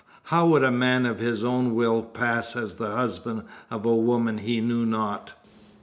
How would a man, of his own will, pass as the husband of a woman he knew not?"